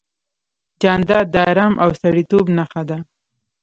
جانداد د ارام او سړیتوب نښه ده.